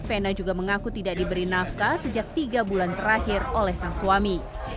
vena juga mengaku tidak diberi nafkah sejak tiga bulan terakhir oleh sang suami